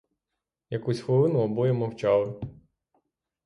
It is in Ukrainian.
Якусь хвилину обоє мовчали.